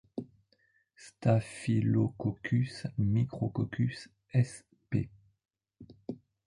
Staphylococcus, Micrococcus sp.